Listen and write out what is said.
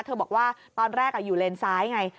บอกว่าตอนแรกอยู่เลนซ้ายไง